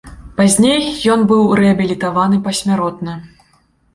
Пазней ён быў рэабілітаваны пасмяротна.